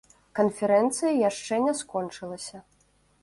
Канферэнцыя яшчэ не скончылася.